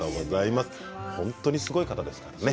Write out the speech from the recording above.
本当にすごい方ですからね。